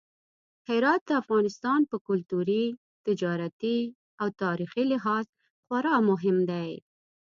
هرات د افغانستان په کلتوري، تجارتي او تاریخي لحاظ خورا مهم دی.